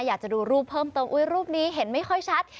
อยากจะดูรูปเพิ่มเติมอุ๊ยรูปนี้เห็นไม่ค่อยชัด